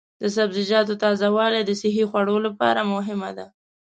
د سبزیجاتو تازه والي د صحي خوړو لپاره مهمه ده.